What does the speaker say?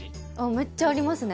めっちゃありますね。